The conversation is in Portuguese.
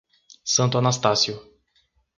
Santo Anastácio